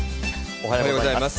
おはようございます。